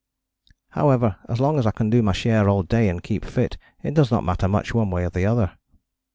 However, as long as I can do my share all day and keep fit it does not matter much one way or the other.